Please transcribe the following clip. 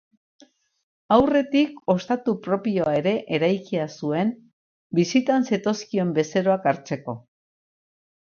Aurretik ostatu propioa ere eraikia zuen, bisitan zetozkion bezeroak hartzeko.